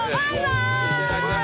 いってらっしゃい。